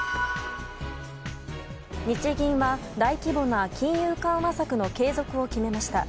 日銀は、大規模な金融緩和策の継続を決めました。